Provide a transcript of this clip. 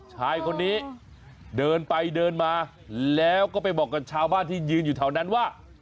ชายคนนี้เดินไปเดินมาแล้วก็ไปบอกกับชาวบ้านที่ยืนอยู่แถวนั้นว่า